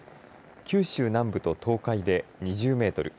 九州南部と東海で２０メートル